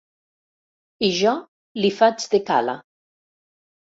I jo li faig de cala.